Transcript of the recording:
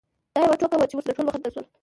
دا یوه ټوکه وه چې ورسره ټول په خندا شول.